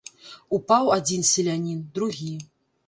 Упаў адзін селянін, другі.